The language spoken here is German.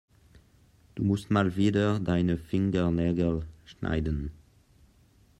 Du musst mal wieder deine Fingernägel schneiden.